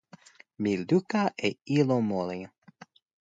mi luka e ilo moli.